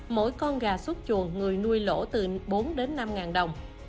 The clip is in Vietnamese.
mỗi con gà xuất chuồng người nuôi lỗ từ bốn đến năm đồng